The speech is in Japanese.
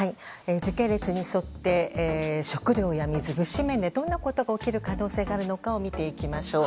時系列に沿って、食料や水物資面で、どんなことが起きる可能性があるのかを見ていきましょう。